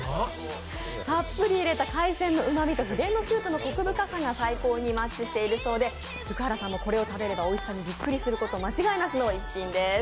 たっぷり入れた海鮮のうまみと秘伝のスープのコク深さが最高にマッチしているそうで、福原さんもこれを食べればおいしさにびっくりすること間違いなしの一品です。